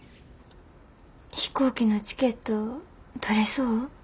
飛行機のチケット取れそう？